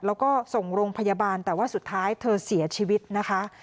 แล้วก็ส่งโรงพยาบาลแต่ว่าสุดท้ายเธอเสียชีวิตนะคะ